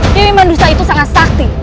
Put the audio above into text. dewi mandusa itu sangat sakti